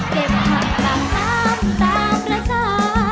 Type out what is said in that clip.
เก็บผักตามน้ำตามภาษา